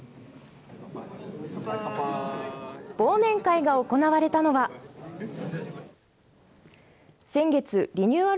忘年会が行われたのは先月リニューアル